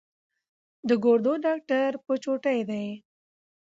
د ګردو ډاکټر په چوټۍ دی